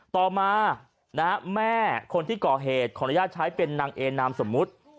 ต่อมาแม่คนที่ก่อเหตุขออนุญาตใช้เป็นนางเอนามสมมุติ